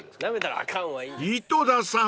［井戸田さん